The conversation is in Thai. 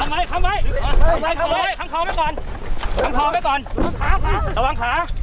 นั่งลง